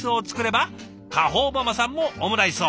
ばかほうママさんもオムライスを。